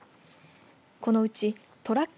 このうちトラック